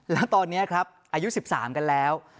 แล้วตอนนี้ครับอายุ๑๓กันแล้ว